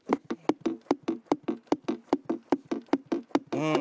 うん。